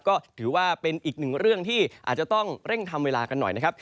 ก็ถือว่าเป็นอีกหนึ่งเรื่องที่อาจจะต้องเร่งทำเวลากันหน่อยนะครับ